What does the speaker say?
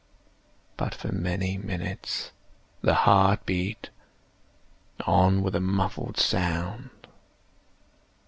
But, for many minutes, the heart beat on with a muffled sound.